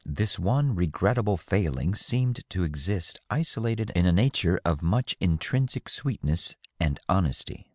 This one r^rettable failing seemed to exist isolated in a nature of much intrinsic sweetness and honesty.